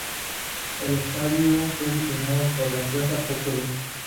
El estadio fue diseñado por la empresa Populous.